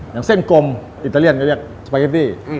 อย่างเส้นกลมอิตาเลียนก็เรียกสเปตตี้